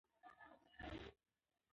لعل د افغانستان د ځمکې د جوړښت نښه ده.